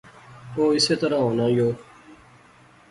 او اسے طرح ہونا یو